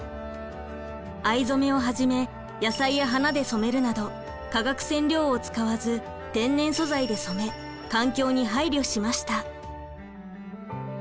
藍染めをはじめ野菜や花で染めるなど化学染料を使わず天然素材で染め環境に配慮しました。